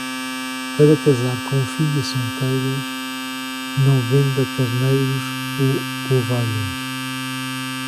Para casar com filhas solteiras, não venda carneiros ou ovelhas.